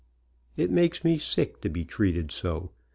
It makes me sick to be treated so.